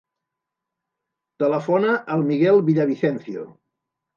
Telefona al Miguel Villavicencio.